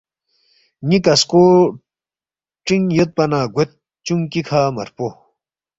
نی کسکو ٹرینگ یودپانا گوید چونکی کھا مرفو